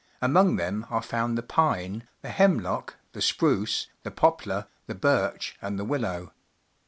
Among them are found the pine , the hemlock, the .spruce, the poplar, the birch, and the willow.